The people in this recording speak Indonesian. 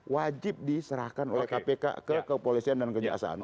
wajib diserahkan oleh kpk ke kepolisian dan kejaksaan